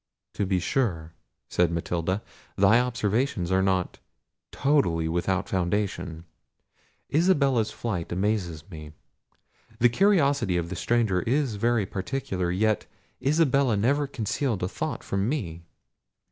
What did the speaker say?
"To be sure," said Matilda, "thy observations are not totally without foundation—Isabella's flight amazes me. The curiosity of the stranger is very particular; yet Isabella never concealed a thought from me."